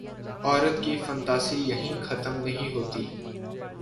عورت کی فنتاسی یہیں ختم نہیں ہوتی۔